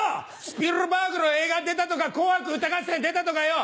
スピルバーグの映画に出たとか『紅白歌合戦』に出たとかよ